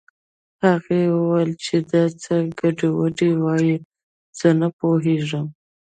هغې وويل چې دا څه ګډې وډې وايې زه نه پوهېږم